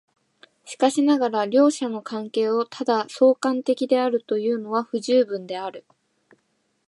しかしながら両者の関係をただ相関的であるというのは不十分である。